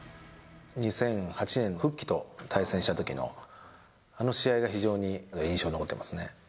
２００８年、フッキと対戦したときの、あの試合が非常に印象に残ってますね。